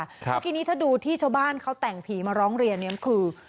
เมื่อกี้นี้ถ้าดูที่ชาวบ้านเขาแต่งผีมาร้องเรียนเนี่ยคือ